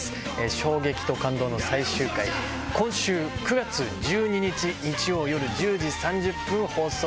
衝撃と感動の最終回今週９月１２日日曜夜１０時３０分放送です。